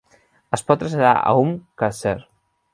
Es pot traslladar a Umm Qasr.